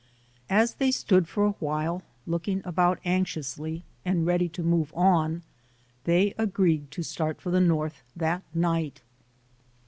As they stood for a while looking about anxiously and ready to move on, they agreed to start for the North that night.